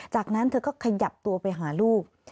จากนั้นเธอก็ขยับตัวไปหาลูก